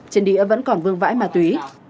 trên đĩa vẫn còn vương vãi ma túy